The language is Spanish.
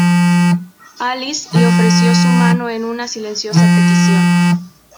Alice le ofreció su mano en una silenciosa petición.